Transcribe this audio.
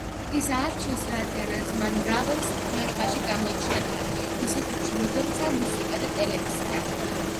ის აარჩიეს, რადგანაც მან მრავალ საქმიანობაში გამოიჩინა თავი, ისეთებში როგორიცაა მუსიკა და ტელევიზია.